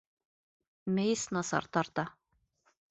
Мейес насар тарта